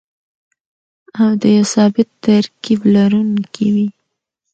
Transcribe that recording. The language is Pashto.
او د يو ثابت ترکيب لرونکي وي.